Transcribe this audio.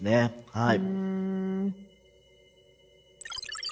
はい。